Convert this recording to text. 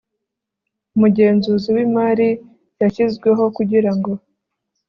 umugenzuzi w imari yashyizeho kugira ngo